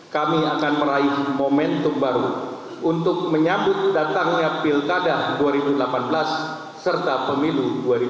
kami akan meraih momentum baru untuk menyambut datangnya pilkada dua ribu delapan belas serta pemilu dua ribu sembilan belas